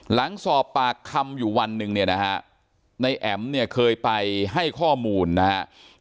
หลังสอบปากคำอยู่วันหนึ่งในแอ๋มเคยไปให้ข้อมูลนะครับ